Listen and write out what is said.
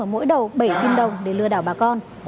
ở mỗi đầu bảy kim đồng để lừa đảo bà con